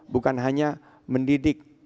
bukan hanya mendidik